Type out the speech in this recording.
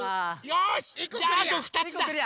よしじゃああと２つだ。